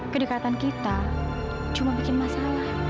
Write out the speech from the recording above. kedekatan kita cuma bikin masalah